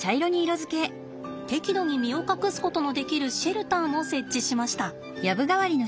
適度に身を隠すことのできるシェルターも設置しました。